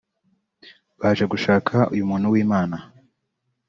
baje gushaka uyu muntu w’Imana…